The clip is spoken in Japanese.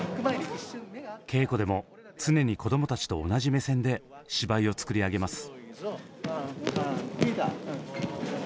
稽古でも常にこどもたちと同じ目線で芝居を作り上げます。